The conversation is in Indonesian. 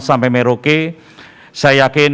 sampai merauke saya yakin